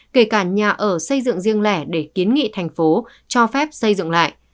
kể cả nhà ở xây dựng riêng lẻ để kiến nghị thành phố cho phép xây dựng lại